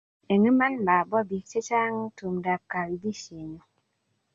eng' iman mabwa biik che chang' tumdab kaibisienyu